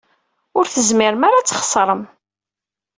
Ur tezmirem ara ad txeṣrem.